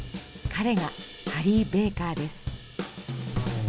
彼がハリー・ベーカーです。